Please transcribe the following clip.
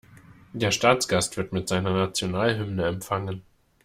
Der Staatsgast wird mit seiner Nationalhymne empfangen.